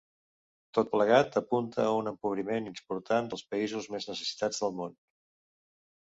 Tot plegat apunta a un empobriment important dels països més necessitats del món.